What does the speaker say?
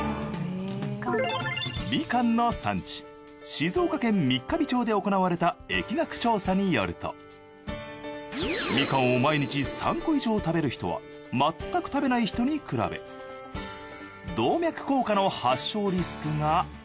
静岡県三ヶ日町で行われた疫学調査によるとミカンを毎日３個以上食べる人はまったく食べない人に比べ動脈硬化の発症リスクが。